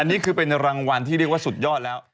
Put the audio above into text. อันนี้คือเป็นรางวัลที่เรียกว่าสุดยอดแล้ว